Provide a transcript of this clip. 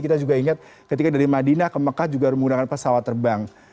kita juga ingat ketika dari madinah ke mekah juga menggunakan pesawat terbang